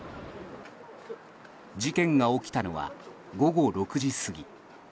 事件が起きたのは午後６時過ぎ。